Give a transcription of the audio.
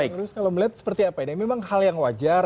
kalau melihat seperti apa ini memang hal yang wajar